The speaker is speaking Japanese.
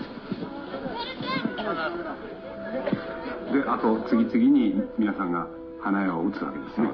であと次々に皆さんが花矢を打つわけですね。